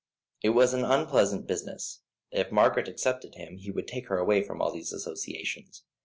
It was an unpleasant business. If Margaret accepted him, he would take her away from all these associations.